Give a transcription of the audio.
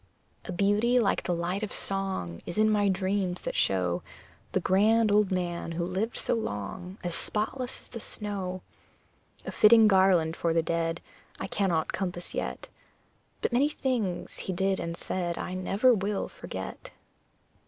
A beauty like the light of song Is in my dreams, that show The grand old man who lived so long As spotless as the snow. A fitting garland for the dead I cannot compass yet; But many things he did and said I never will forget.